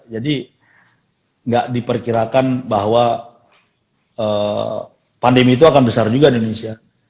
jadi gak diperkirakan bahwa pandemi itu akan besar juga di indonesia